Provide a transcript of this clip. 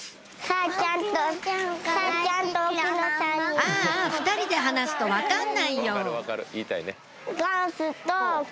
ああ２人で話すと分かんないよ